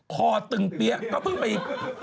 ตึงเปี๊ยะก็เพิ่งไป